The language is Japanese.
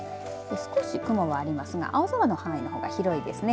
少し雲はありますが青空の範囲のほうが広いですね。